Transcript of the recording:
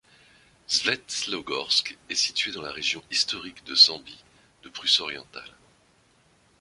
Svetlogorsk est située dans la région historique de Sambie de Prusse-Orientale.